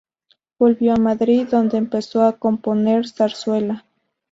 Volvió a Madrid donde empezó a componer zarzuela.